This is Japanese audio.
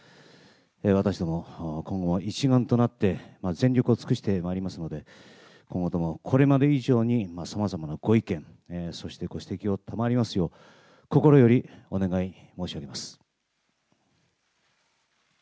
私ども、今後、一丸となって全力を尽くしてまいりますので、今後ともこれまで以上に、さまざまなご意見、そしてご指摘を賜りますよう、心よりお願い申し上げます。